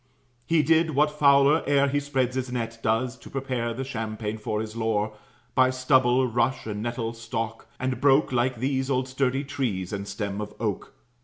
He did what fowler, ere he spreads his net, Does, to prepare the champaign for his lore, By stubble, rush, and nettle stalk; and broke, Like these, old sturdy trees and stems of oak.